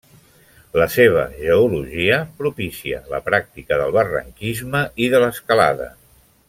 La seva geologia propicia la pràctica del barranquisme i de l'escalada.